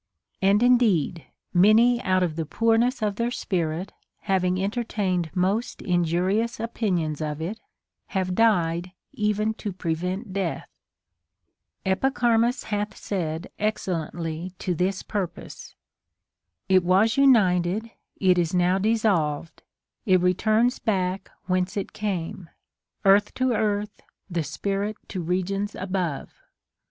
And indeed many out of the poorness of their spirit, having entertained most injurious opinions of it, have died even to prevent death. Epicharmus hath said excellently to this purpose :" It was united, it is now tiissolved ; it returns back whence it came, — earth to earth, the spirit to re * From Aeschylus. 316 CONSOLATION TO APOLLONIUS. gions above.